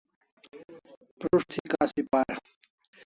Prus't thi kasi para